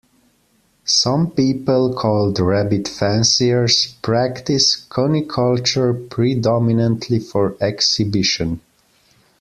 Some people, called "rabbit fanciers", practice cuniculture predominantly for exhibition.